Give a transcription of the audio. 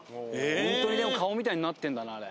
ほんとにでも顔みたいになってんだなあれ。